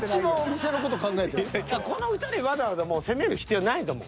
この２人わざわざもう攻める必要ないと思う。